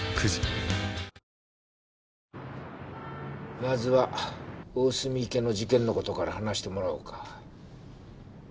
まずは大澄池の事件の事から話してもらおうか。